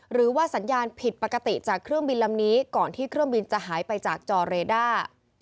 หรือว่าสัญญาณผิดปกติจากเครื่องบินลำนี้ก่อนที่เครื่องบินจะหายไปจากจอเรด้า